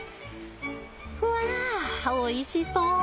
わあおいしそう。